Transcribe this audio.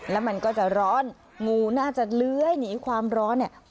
แล้วมันก็จะร้อนงูน่าจะเลื้อยหนีความร้อนเนี่ย